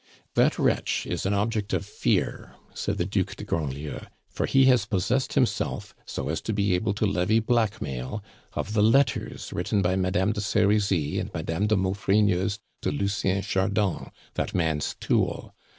"That wretch is an object of fear," said the Duc de Grandlieu, "for he has possessed himself, so as to be able to levy blackmail, of the letters written by Madame de Serizy and Madame de Maufrigneuse to Lucien Chardon, that man's tool.